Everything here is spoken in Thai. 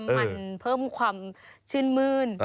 เพิ่มความหมั่นเพิ่มความชื่นมืน